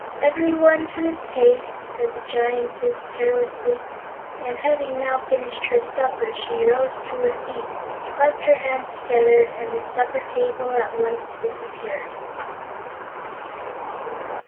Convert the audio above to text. "Every one to his taste," said the Giantess carelessly, and having now finished her supper she rose to her feet, clapped her hands together, and the supper table at once disappeared.